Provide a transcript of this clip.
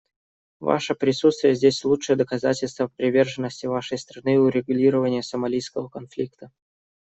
Ваше присутствие здесь — лучшее доказательство приверженности Вашей страны урегулированию сомалийского конфликта.